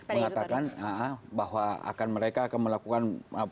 mengatakan bahwa akan mereka akan melakukan